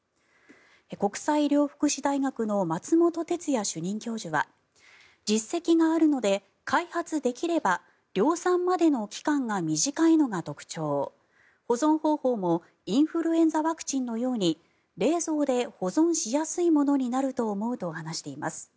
国際医療福祉大学の松本哲哉主任教授は実績があるので開発できれば量産までの期間が短いのが特徴保存方法もインフルエンザワクチンのように冷蔵で保存しやすいものになると思うと話しています。